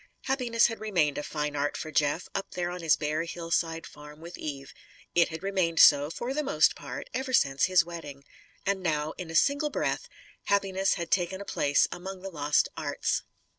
Happiness had remained a fine art for Jeff, up there on his bare hillside farm, with Eve. It had remained so, for the most part, ever since his wedding. And now, in a single breath, happiness had taken a place among the lost arts.